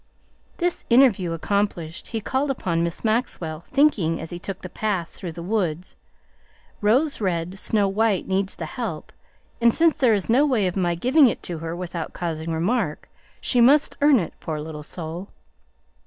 This interview accomplished, he called upon Miss Maxwell, thinking as he took the path through the woods, "Rose Red Snow White needs the help, and since there is no way of my giving it to her without causing remark, she must earn it, poor little soul!